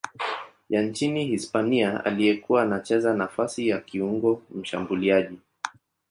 ya nchini Hispania aliyekuwa anacheza nafasi ya kiungo mshambuliaji.